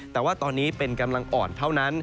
แต่ว่าตอนนี้เป็นกำลังอ่อนเท่านั้น